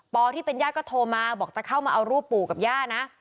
ที่เป็นญาติก็โทรมาบอกจะเข้ามาเอารูปปู่กับย่านะ